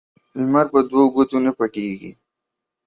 لمر په دوو گوتو نه پټېږي.